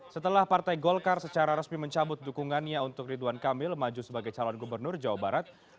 setelah partai golkar secara resmi mencabut dukungannya untuk ridwan kamil maju sebagai calon gubernur jawa barat